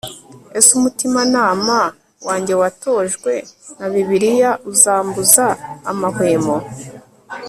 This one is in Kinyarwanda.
Ese umutimanama wange watojwe na Bibiliya uzambuza amahwemo